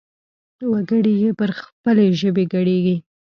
وګړي يې پر خپلې ژبې ګړيږي.